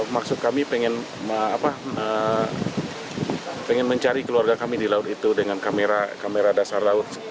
maksud kami pengen mencari keluarga kami di laut itu dengan kamera dasar laut